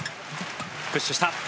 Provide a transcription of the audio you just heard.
プッシュした。